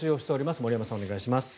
森山さん、お願いします。